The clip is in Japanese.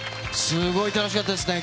すごい楽しかったですね